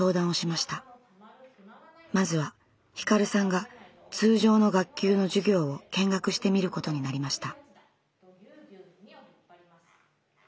まずはひかるさんが通常の学級の授業を見学してみることになりました。